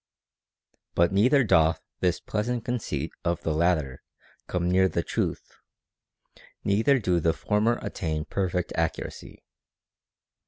32. But neither doth this pleasant conceit of the latter come near the truth, neither do the former attain perfect accuracy.